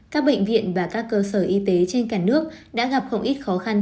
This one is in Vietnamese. các bệnh viện và các cơ sở y tế trên cả nước đã gặp không ít khó khăn